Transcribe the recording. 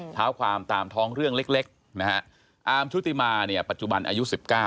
เท้าความตามท้องเรื่องเล็กนะฮะอาร์มชุติมาเนี่ยปัจจุบันอายุ๑๙